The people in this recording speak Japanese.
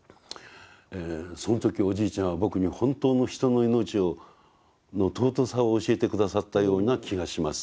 「その時おじいちゃんは僕に本当の人の命の尊さを教えて下さったような気がします」と。